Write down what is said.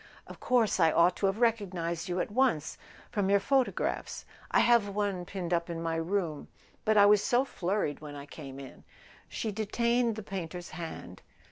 "Of course I ought to have recognised you at once—from your photo¬ graphs. I have one pinned up in my room. But I was so flurried when I came in." She detained the painter's hand.